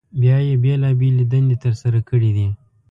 بیا یې بېلابېلې دندې تر سره کړي دي.